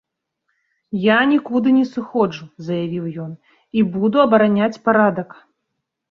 Я нікуды не сыходжу, заявіў ён, і буду абараняць парадак.